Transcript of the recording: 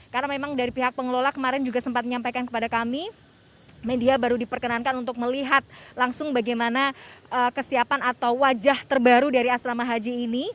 karena memang dari pihak pengelola kemarin juga sempat menyampaikan kepada kami media baru diperkenankan untuk melihat langsung bagaimana kesiapan atau wajah terbaru dari asrama haji ini